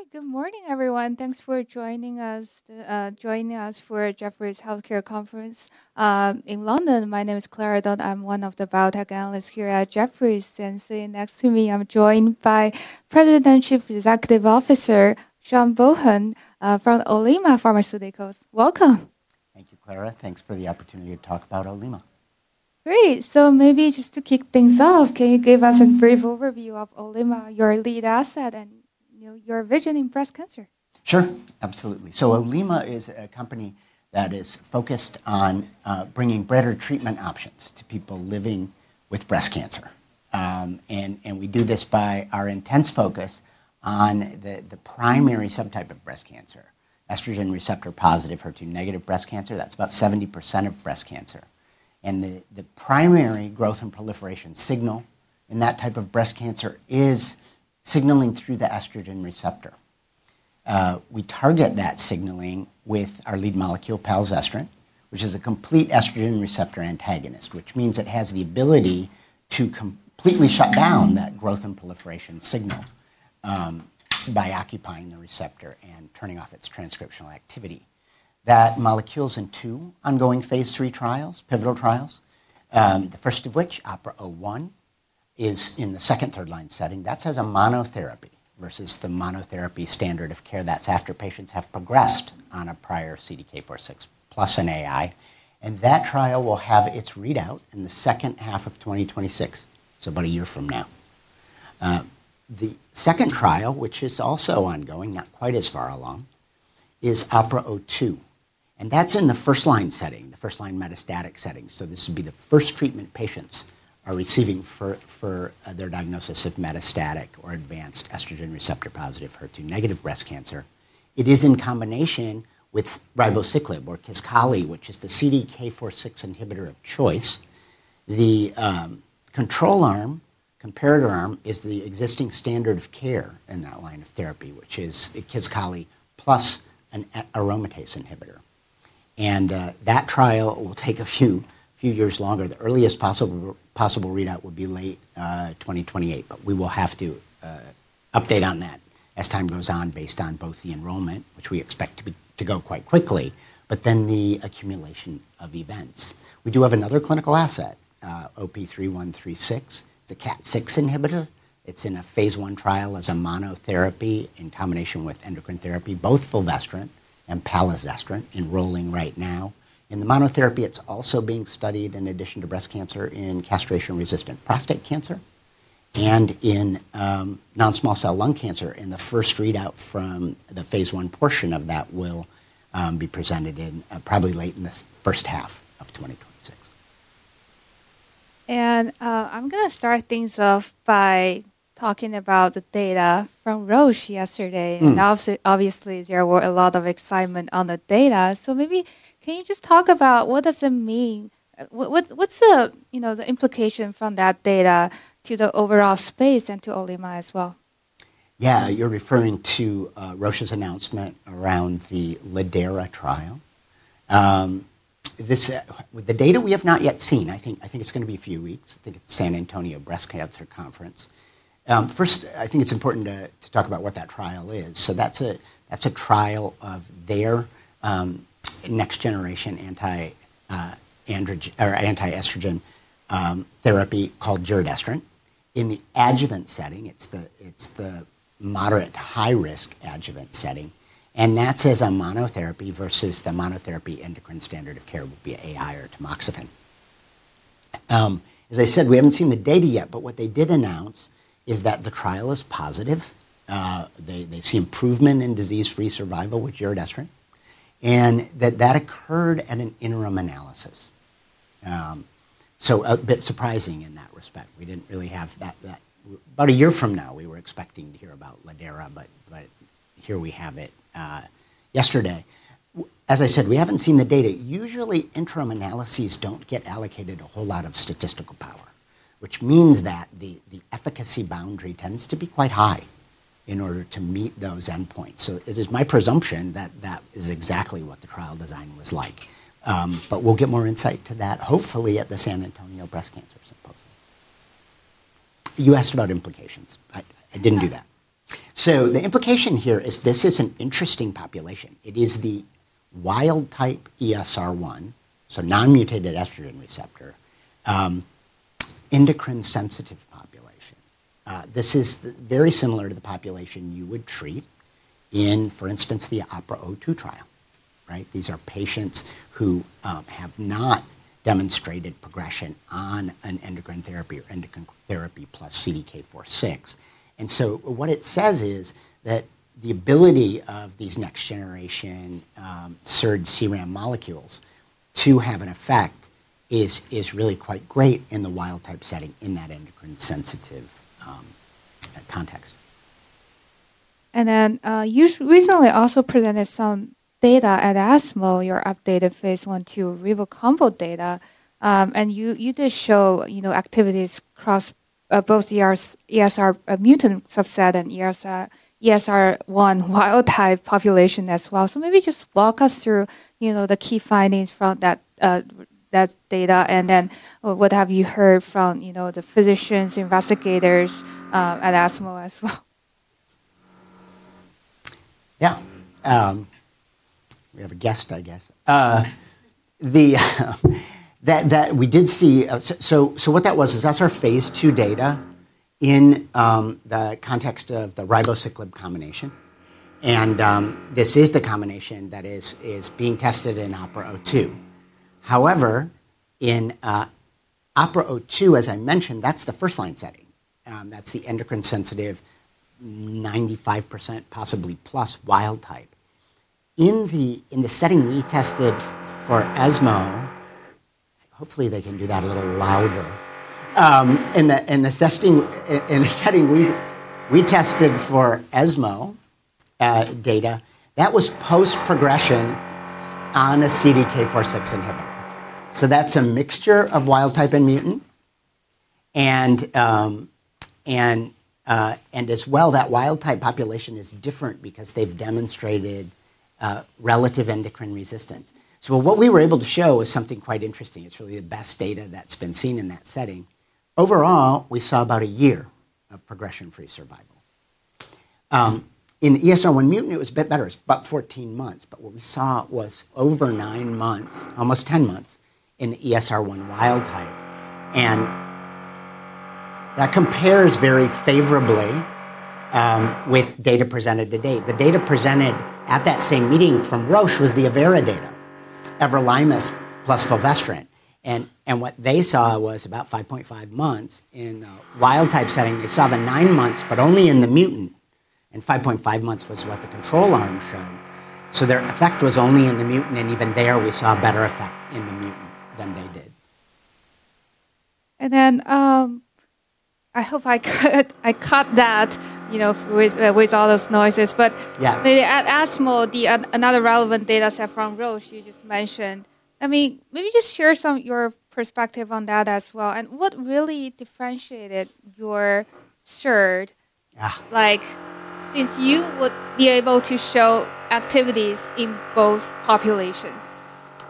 All right, good morning, everyone. Thanks for joining us, joining us for Jefferies healthcare conference, in London. My name is Clara Dunn. I'm one of the Biotech Analysts here at Jefferies. Sitting next to me, I'm joined by President and Chief Executive Officer Sean Bohen from Olema Pharmaceuticals. Welcome. Thank you, Clara. Thanks for the opportunity to talk about Olema. Great. Maybe just to kick things off, can you give us a brief overview of Olema, your lead asset, and, you know, your vision in breast cancer? Sure, absolutely. Olema is a company that is focused on bringing better treatment options to people living with breast cancer, and we do this by our intense focus on the primary subtype of breast cancer, estrogen receptor positive, HER2 negative breast cancer. That's about 70% of breast cancer. The primary growth and proliferation signal in that type of breast cancer is signaling through the estrogen receptor. We target that signaling with our lead molecule, palazestrant, which is a complete estrogen receptor antagonist, which means it has the ability to completely shut down that growth and proliferation signal by occupying the receptor and turning off its transcriptional activity. That molecule is in two ongoing phase III trials, pivotal trials, the first of which, OPERA-01, is in the 2nd/3rd-line setting. That's as a monotherapy versus the monotherapy standard of care. That's after patients have progressed on a prior CDK4/6 plus an AI. That trial will have its readout in the 2nd half of 2026. It's about a year from now. The 2nd trial, which is also ongoing, not quite as far along, is OPERA-02. That's in the 1st-line setting, the 1st-line metastatic setting. This would be the first treatment patients are receiving for their diagnosis of metastatic or advanced estrogen receptor positive, HER2 negative breast cancer. It is in combination with ribociclib or Kisqali, which is the CDK4/6 inhibitor of choice. The control arm, comparator arm, is the existing standard of care in that line of therapy, which is Kisqali plus an aromatase inhibitor. That trial will take a few years longer. The earliest possible, possible readout would be late 2028, but we will have to update on that as time goes on based on both the enrollment, which we expect to be, to go quite quickly, but then the accumulation of events. We do have another clinical asset, OP3136. It's a KAT6 inhibitor. It's in a phase I trial as a monotherapy and in combination with endocrine therapy, both fulvestrant and palazestrant, enrolling right now. In the monotherapy, it's also being studied in addition to breast cancer in castration-resistant prostate cancer and in non-small cell lung cancer. The first readout from the phase I portion of that will be presented in, probably late in the 1st half of 2026. I'm gonna start things off by talking about the data from Roche yesterday. Mm-hmm. Obviously, there was a lot of excitement on the data. Maybe can you just talk about what does it mean? What, what, what's the, you know, the implication from that data to the overall space and to Olema as well? Yeah, you're referring to Roche's announcement around the LIDARA trial. The data we have not yet seen, I think, I think it's gonna be a few weeks. I think it's San Antonio Breast Cancer Conference. First, I think it's important to talk about what that trial is. So that's a trial of their next generation anti-androgen or anti-estrogen therapy called giredestrant in the adjuvant setting. It's the moderate to high risk adjuvant setting. And that's as a monotherapy versus the monotherapy endocrine standard of care would be AI or tamoxifen. As I said, we haven't seen the data yet, but what they did announce is that the trial is positive. They see improvement in disease-free survival with giredestrant and that that occurred at an interim analysis. A bit surprising in that respect. We did not really have that, that about a year from now, we were expecting to hear about LIDARA, but here we have it, yesterday. As I said, we have not seen the data. Usually, interim analyses do not get allocated a whole lot of statistical power, which means that the efficacy boundary tends to be quite high in order to meet those endpoints. It is my presumption that that is exactly what the trial design was like. We will get more insight to that, hopefully at the San Antonio Breast Cancer Symposium. You asked about implications. I did not do that. The implication here is this is an interesting population. It is the wild type ESR1, so non-mutated estrogen receptor, endocrine sensitive population. This is very similar to the population you would treat in, for instance, the OPERA-02 trial, right? These are patients who have not demonstrated progression on an endocrine therapy or endocrine therapy plus CDK4/6. What it says is that the ability of these next generation SERD CRAM molecules to have an effect is really quite great in the wild type setting in that endocrine sensitive context. Then, you recently also presented some data at ESMO, your updated phase I to Ribo combo data. You did show, you know, activity across both ESR1 mutant subset and ESR1 wild type population as well. Maybe just walk us through, you know, the key findings from that data and then what have you heard from, you know, the physicians, investigators at ESMO as well? Yeah. We have a guest, I guess. That we did see, so what that was is that's our phase II data in the context of the ribociclib combination. This is the combination that is being tested in OPERA-02. However, in OPERA-02, as I mentioned, that's the 1st-line setting. That's the endocrine sensitive 95%, possibly plus wild type. In the setting we tested for ESMO, hopefully they can do that a little louder. In the testing, in the setting we tested for ESMO data, that was post progression on a CDK4/6 inhibitor. That's a mixture of wild type and mutant. As well, that wild type population is different because they've demonstrated relative endocrine resistance. What we were able to show is something quite interesting. It's really the best data that's been seen in that setting. Overall, we saw about a year of progression-free survival. In the ESR1 mutant, it was a bit better. It's about 14 months, but what we saw was over nine months, almost 10 months in the ESR1 wild type. That compares very favorably with data presented to date. The data presented at that same meeting from Roche was the Avera data, everolimus plus fulvestrant. What they saw was about 5.5 months. In the wild type setting, they saw the nine months, but only in the mutant. 5.5 months was what the control arm showed. Their effect was only in the mutant. Even there we saw a better effect in the mutant than they did. I hope I cut that, you know, with all those noises, but. Yeah. Maybe at ASCO, the, another relevant data set from Roche, you just mentioned. I mean, maybe just share some of your perspective on that as well. What really differentiated your SERD? Yeah. Like, since you would be able to show activity in both populations.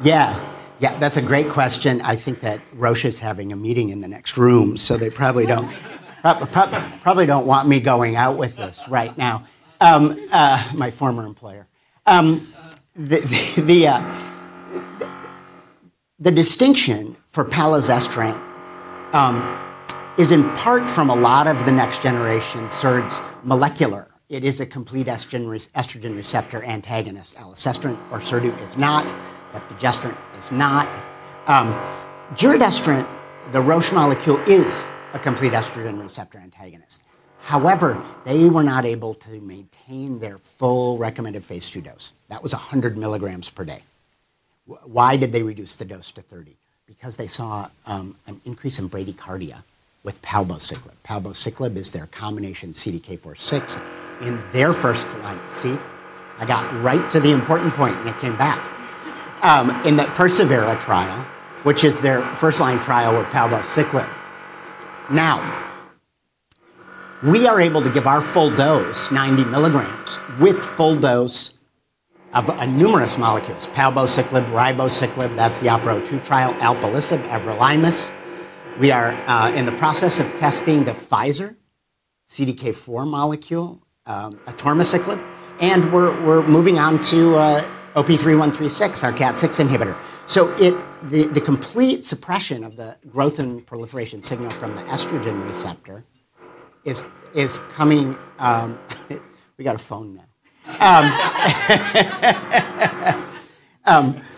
Yeah. Yeah. That's a great question. I think that Roche is having a meeting in the next room, so they probably don't want me going out with this right now. My former employer. The distinction for palazestrant is in part from a lot of the next generation SERDs molecular. It is a complete estrogen receptor antagonist. Palazestrant or SERDU is not. Epigestrant is not. Giredestrant, the Roche molecule, is a complete estrogen receptor antagonist. However, they were not able to maintain their full recommended phase II dose. That was 100 milligrams per day. Why did they reduce the dose to 30? Because they saw an increase in bradycardia with palbociclib. Palbociclib is their combination CDK4/6 in their 1st-line seed. I got right to the important point and I came back, in that Persevera trial, which is their 1st-line trial with palbociclib. Now we are able to give our full dose, 90 milligrams, with full dose of numerous molecules, palbociclib, ribociclib, that's the OPERA-02 trial, alpelisib, everolimus. We are in the process of testing the Pfizer CDK4 molecule, atirmociclib. And we're moving on to OP3136, our KAT6 inhibitor. The complete suppression of the growth and proliferation signal from the estrogen receptor is coming, we got a phone now.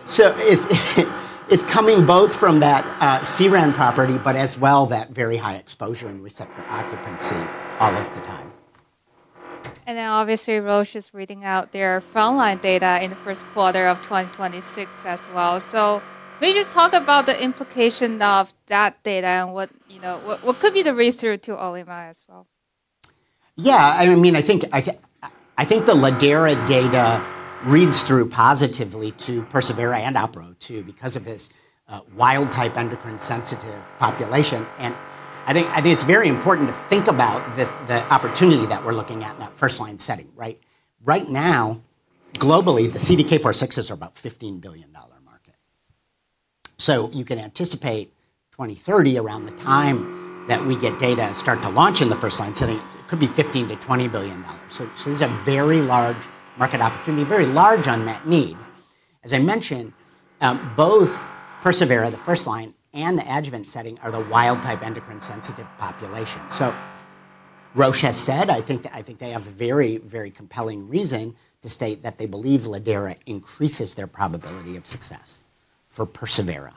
It is coming both from that CERAN property, but as well that very high exposure and receptor occupancy all of the time. Obviously Roche is reading out their frontline data in the 1st quarter of 2026 as well. Maybe just talk about the implication of that data and what, you know, what could be the reason to Olema as well? Yeah. I mean, I think the LIDARA data reads through positively to Persevera and OPERA-02 because of this wild type endocrine sensitive population. I think it's very important to think about this, the opportunity that we're looking at in that 1st-line setting, right? Right now, globally, the CDK4/6s are about $15 billion market. You can anticipate 2030, around the time that we get data, start to launch in the 1st-line setting. It could be $15 billion-$20 billion. This is a very large market opportunity, very large unmet need. As I mentioned, both Persevera, the 1st-line, and the adjuvant setting are the wild type endocrine sensitive population. Roche has said, I think they have a very, very compelling reason to state that they believe LIDARA increases their probability of success for Persevera.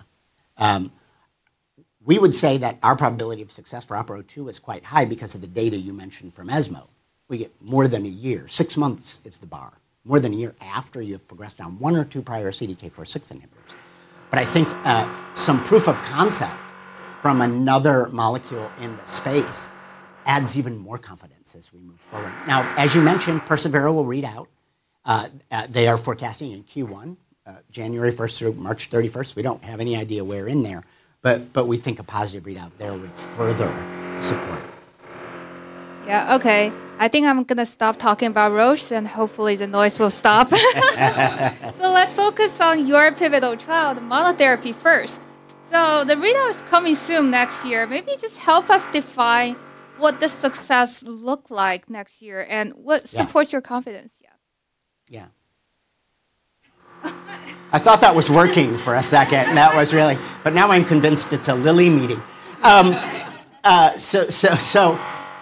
We would say that our probability of success for OPERA-02 is quite high because of the data you mentioned from ESMO. We get more than a year, six months is the bar, more than a year after you have progressed on one or two prior CDK4/6 inhibitors. I think some proof of concept from another molecule in the space adds even more confidence as we move forward. Now, as you mentioned, Persevera will read out, they are forecasting in Q1, January 1 through March 31. We do not have any idea where in there, but we think a positive readout there would further support. Yeah. Okay. I think I'm gonna stop talking about Roche and hopefully the noise will stop. Let's focus on your pivotal trial, the monotherapy first. The readout is coming soon next year. Maybe just help us define what the success looks like next year and what supports your confidence. Yeah. Yeah. I thought that was working for a 2nd and that was really, but now I'm convinced it's a LILI meeting.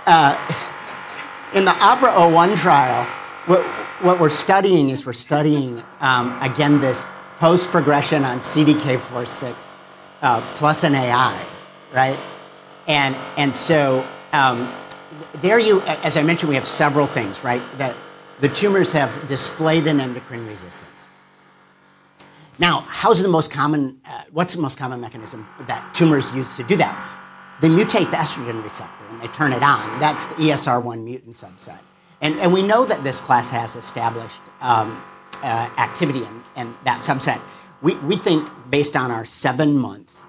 In the OPERA-01 trial, what we're studying is we're studying, again, this post progression on CDK4/6, plus an AI, right? There, as I mentioned, we have several things, right? The tumors have displayed an endocrine resistance. Now, what's the most common mechanism that tumors use to do that? They mutate the estrogen receptor and they turn it on. That's the ESR1 mutant subset. We know that this class has established activity in that subset. We think based on our seven month,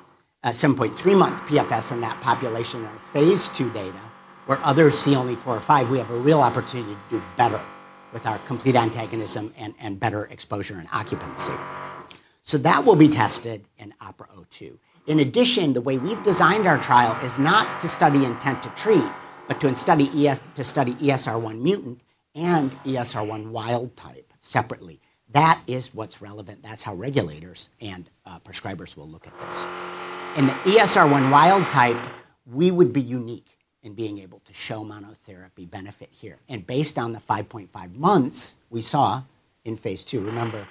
7.3 month PFS in that population or phase II data where others see only four or five, we have a real opportunity to do better with our complete antagonism and better exposure and occupancy. That will be tested in OPERA-02. In addition, the way we've designed our trial is not to study intent to treat, but to study ESR1 mutant and ESR1 wild type separately. That is what's relevant. That's how regulators and prescribers will look at this. In the ESR1 wild type, we would be unique in being able to show monotherapy benefit here. Based on the 5.5 months we saw in phase II, remember,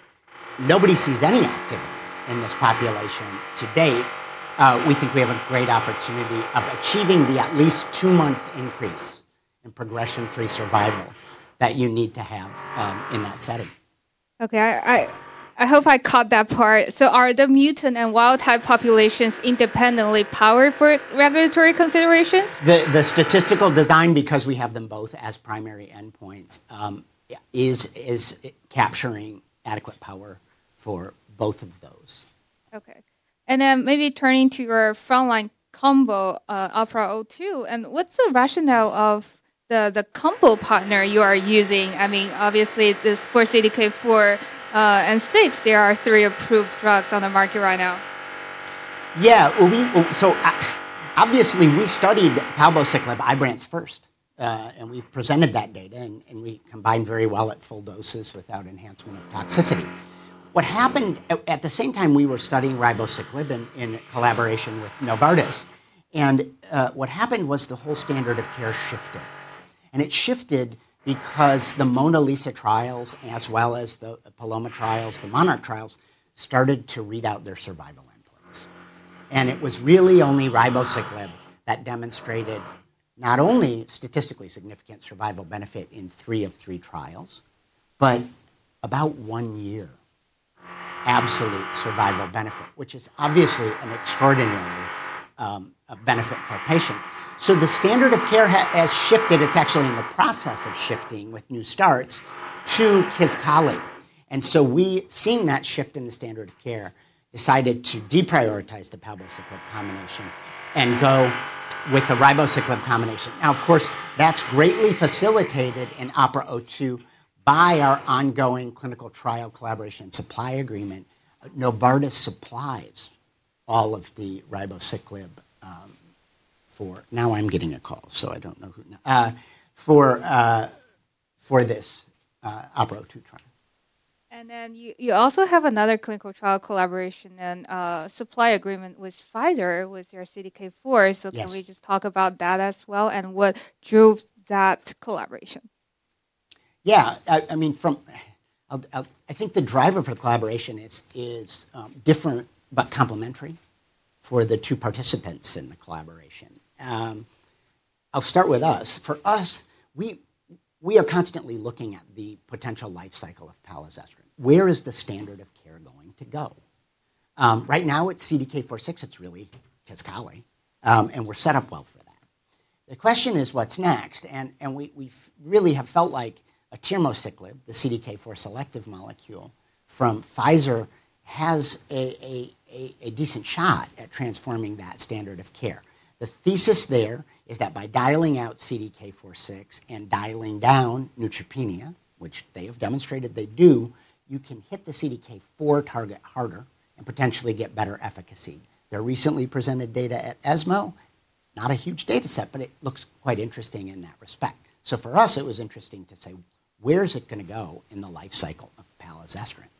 nobody sees any activity in this population to date. We think we have a great opportunity of achieving the at least two month increase in progression-free survival that you need to have, in that setting. Okay. I hope I caught that part. So are the mutant and wild type populations independently powered for regulatory considerations? The statistical design, because we have them both as primary endpoints, is capturing adequate power for both of those. Okay. And then maybe turning to your frontline combo, OPERA-02, what's the rationale of the combo partner you are using? I mean, obviously this for CDK4/6, there are three approved drugs on the market right now. Yeah. We, so obviously we studied palbociclib Ibrance first, and we presented that data, and we combined very well at full doses without enhancement of toxicity. What happened at the same time, we were studying ribociclib in collaboration with Novartis, and what happened was the whole standard of care shifted. It shifted because the MONALEESA trials, as well as the PALOMA trials, the MONARCH trials started to read out their survival endpoints. It was really only ribociclib that demonstrated not only statistically significant survival benefit in three of three trials, but about one year absolute survival benefit, which is obviously an extraordinary benefit for patients. The standard of care has shifted. It is actually in the process of shifting with new starts to Kisqali. We are seeing that shift in the standard of care, decided to deprioritize the palbociclib combination and go with the ribociclib combination. Now, of course, that's greatly facilitated in OPERA-02 by our ongoing clinical trial collaboration. Supply agreement, Novartis supplies all of the ribociclib. For now, I'm getting a call, so I don't know who, for this OPERA-02 trial. You also have another clinical trial collaboration and supply agreement with Pfizer with their CDK4. Can we just talk about that as well and what drove that collaboration? Yeah. I mean, from, I'll, I think the driver for the collaboration is different but complementary for the two participants in the collaboration. I'll start with us. For us, we are constantly looking at the potential life cycle of palazestrant. Where is the standard of care going to go? Right now it's CDK4/6, it's really Kisqali, and we're set up well for that. The question is what's next? We really have felt like atirmociclib, the CDK4 selective molecule from Pfizer, has a decent shot at transforming that standard of care. The thesis there is that by dialing out CDK4/6 and dialing down neutropenia, which they have demonstrated they do, you can hit the CDK4 target harder and potentially get better efficacy. They recently presented data at ESMO, not a huge data set, but it looks quite interesting in that respect. For us, it was interesting to say, where's it gonna go in the life cycle of palazestrant?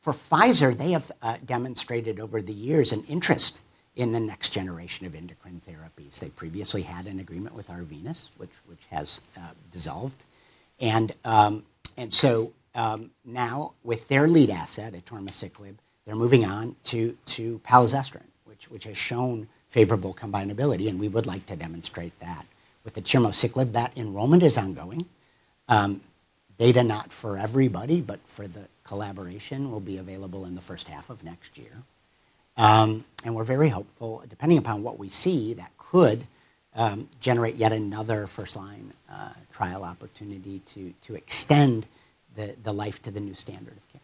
For Pfizer, they have demonstrated over the years an interest in the next generation of endocrine therapies. They previously had an agreement with Arvinas, which has dissolved. Now with their lead asset, atirmociclib, they're moving on to palazestrant, which has shown favorable combinability. We would like to demonstrate that with the atirmociclib. That enrollment is ongoing. Data not for everybody, but for the collaboration will be available in the 1st half of next year. We are very hopeful, depending upon what we see, that could generate yet another 1st-line trial opportunity to extend the life to the new standard of care.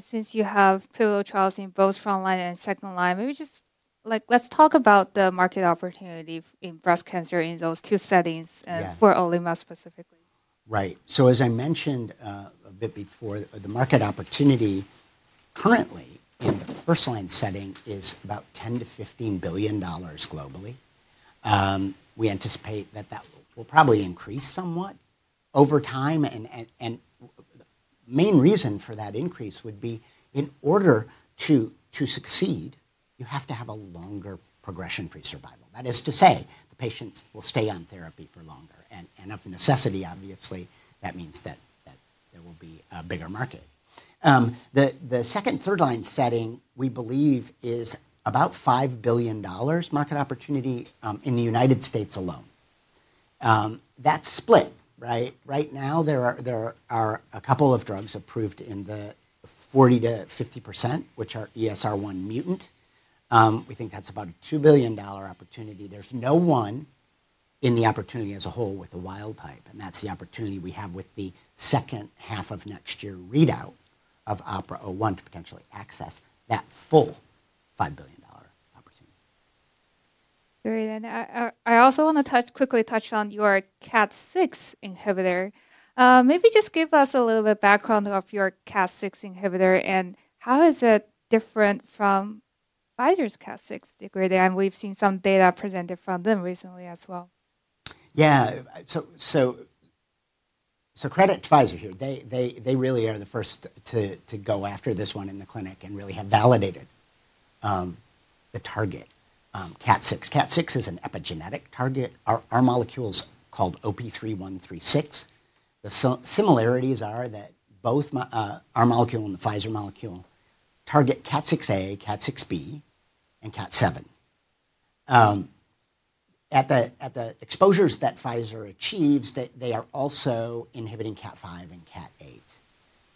Since you have pivotal trials in both frontline and 2nd line, maybe just like, let's talk about the market opportunity in breast cancer in those two settings and for Olema specifically. Right. As I mentioned a bit before, the market opportunity currently in the 1st-line setting is about $10 billion-$15 billion globally. We anticipate that that will probably increase somewhat over time. The main reason for that increase would be in order to succeed, you have to have a longer progression-free survival. That is to say, the patients will stay on therapy for longer. Of necessity, obviously that means that there will be a bigger market. The 2nd/3rd-line setting we believe is about a $5 billion market opportunity in the United States alone. That's split, right? Right now there are a couple of drugs approved in the 40%-50%, which are ESR1 mutant. We think that's about a $2 billion opportunity. There's no one in the opportunity as a whole with the wild type. That's the opportunity we have with the 2nd half of next year readout of OPERA-01 to potentially access that full $5 billion opportunity. Great. I also wanna quickly touch on your KAT6 inhibitor. Maybe just give us a little bit of background of your KAT6 inhibitor and how is it different from Pfizer's KAT6 degrader? We have seen some data presented from them recently as well. Yeah. So, credit to Pfizer here. They really are the first to go after this one in the clinic and really have validated the target, KAT6. KAT6 is an epigenetic target. Our molecule's called OP3136. The similarities are that both our molecule and the Pfizer molecule target KAT6A, KAT6B, and KAT7. At the exposures that Pfizer achieves, they are also inhibiting KAT5 and KAT8.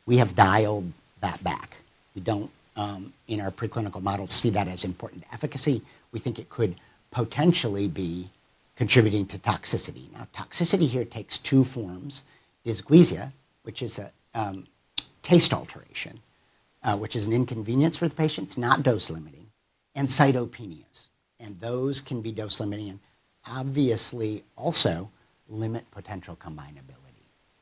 We have dialed that back. We don't, in our preclinical model, see that as important efficacy. We think it could potentially be contributing to toxicity. Now, toxicity here takes two forms: dysgeusia, which is a taste alteration, which is an inconvenience for the patients, not dose limiting, and cytopenias. And those can be dose limiting and obviously also limit potential combinability.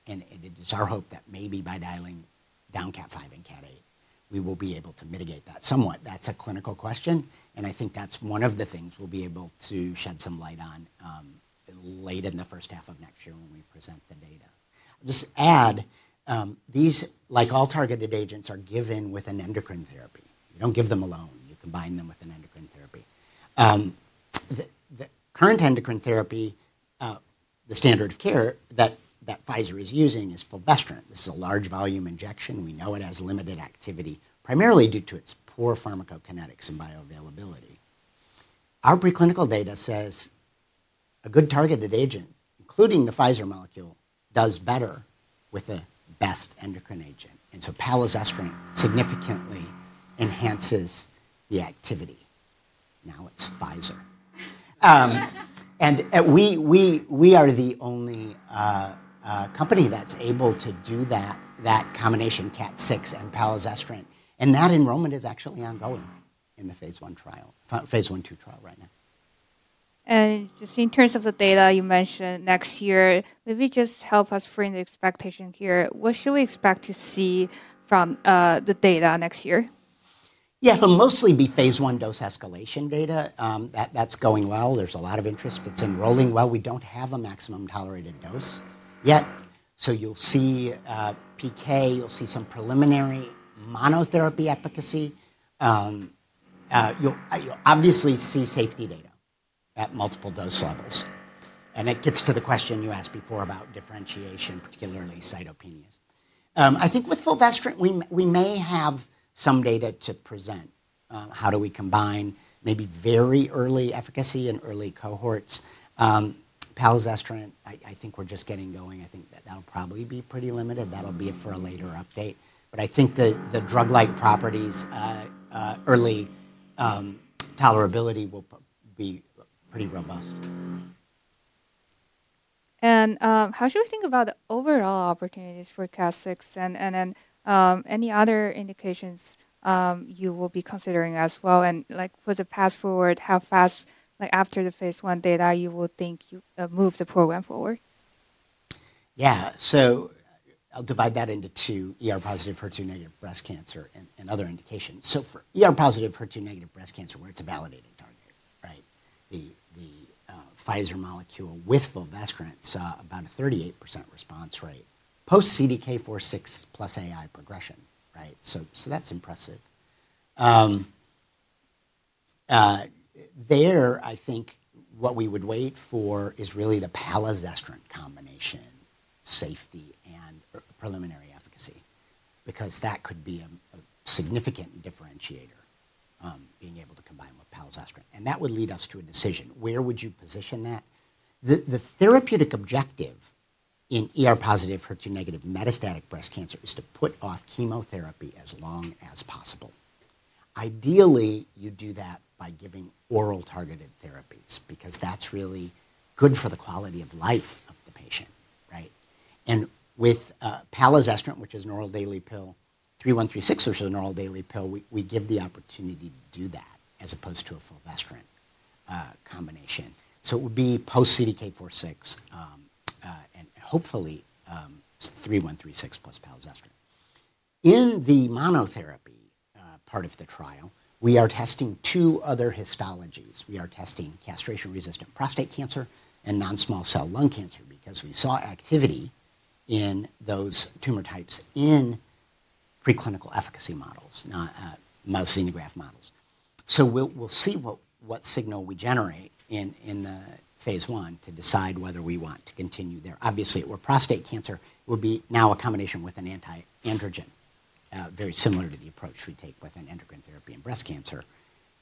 It is our hope that maybe by dialing down KAT6 and KAT7, we will be able to mitigate that somewhat. That is a clinical question. I think that is one of the things we will be able to shed some light on, late in the 1st half of next year when we present the data. Just add, these, like all targeted agents, are given with an endocrine therapy. You do not give them alone. You combine them with an endocrine therapy. The current endocrine therapy, the standard of care that Pfizer is using, is fulvestrant. This is a large volume injection. We know it has limited activity primarily due to its poor pharmacokinetics and bioavailability. Our preclinical data says a good targeted agent, including the Pfizer molecule, does better with the best endocrine agent. Palazestrant significantly enhances the activity. Now it is Pfizer. We are the only company that's able to do that combination, KAT6 and palazestrant. That enrollment is actually ongoing in the phase I/II trial right now. Just in terms of the data you mentioned next year, maybe just help us frame the expectation here. What should we expect to see from the data next year? Yeah. It'll mostly be phase I dose escalation data. That's going well. There's a lot of interest. It's enrolling well. We don't have a maximum tolerated dose yet. You'll see PK, you'll see some preliminary monotherapy efficacy. You'll obviously see safety data at multiple dose levels. It gets to the question you asked before about differentiation, particularly cytopenias. I think with fulvestrant, we may have some data to present. How do we combine maybe very early efficacy and early cohorts? palazestrant, I think we're just getting going. I think that'll probably be pretty limited. That'll be for a later update. I think the drug-like properties, early tolerability will be pretty robust. How should we think about the overall opportunities for KAT6 and, and then, any other indications you will be considering as well? For the path forward, how fast, like after the phase I data, will you think you move the program forward? Yeah. I'll divide that into two: positive, HER2 negative breast cancer and other indications. For positive, HER2 negative breast cancer, where it's a validated target, right? The Pfizer molecule with fulvestrant saw about a 38% response rate post CDK4/6 plus AI progression, right? That's impressive. I think what we would wait for is really the palazestrant combination safety and preliminary efficacy, because that could be a significant differentiator, being able to combine with palazestrant. That would lead us to a decision. Where would you position that? The therapeutic objective in positive, HER2 negative metastatic breast cancer is to put off chemotherapy as long as possible. Ideally, you do that by giving oral targeted therapies because that's really good for the quality of life of the patient, right? With palazestrant, which is an oral daily pill, OP3136, which is an oral daily pill, we give the opportunity to do that as opposed to a fulvestrant combination. It would be post CDK4/6, and hopefully, OP3136 plus palazestrant. In the monotherapy part of the trial, we are testing two other histologies. We are testing castration-resistant prostate cancer and non-small cell lung cancer because we saw activity in those tumor types in preclinical efficacy models, not mouse xenograft models. We will see what signal we generate in the phase I to decide whether we want to continue there. Obviously, if it were prostate cancer, it would be now a combination with an antiandrogen, very similar to the approach we take with an endocrine therapy in breast cancer.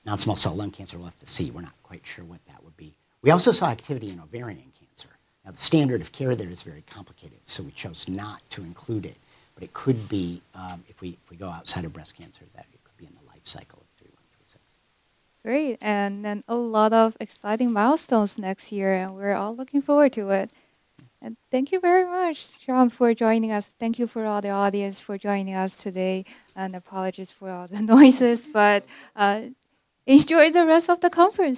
Non-small cell lung cancer, we will have to see. We are not quite sure what that would be. We also saw activity in ovarian cancer. Now, the standard of care there is very complicated, so we chose not to include it, but it could be, if we go outside of breast cancer, that it could be in the life cycle of 3136. Great. A lot of exciting milestones next year, and we're all looking forward to it. Thank you very much, Sean, for joining us. Thank you to all the audience for joining us today. Apologies for all the noises, but enjoy the rest of the conference.